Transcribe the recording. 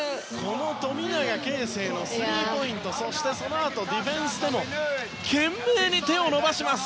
富永啓生のスリーポイントそして、そのあとディフェンスでも懸命に手を伸ばします。